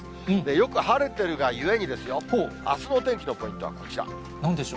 よく晴れてるがゆえにですよ、あすのお天気のポイントはこちら。